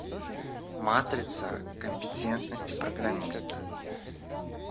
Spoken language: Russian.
Матрица компетентности программиста.